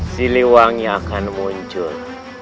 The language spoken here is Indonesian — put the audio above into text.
si lewangi akan muncul